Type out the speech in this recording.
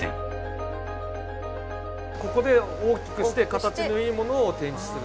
ここで大きくして形のいいものを展示すると。